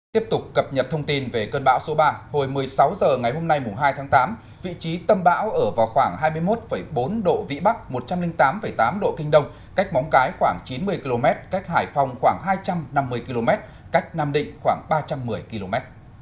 tiếp tục cập nhật thông tin về cơn bão số ba hồi một mươi sáu h ngày hôm nay hai tháng tám vị trí tâm bão ở vào khoảng hai mươi một bốn độ vĩ bắc một trăm linh tám tám độ kinh đông cách móng cái khoảng chín mươi km cách hải phòng khoảng hai trăm năm mươi km cách nam định khoảng ba trăm một mươi km